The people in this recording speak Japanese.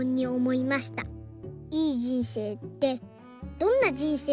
いい人生ってどんな人生ですか？」。